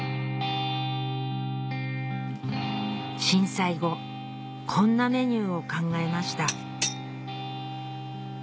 震災後こんなメニューを考えました